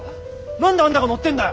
何であんたが乗ってんだよ！